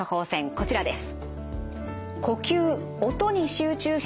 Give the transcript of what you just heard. こちらです。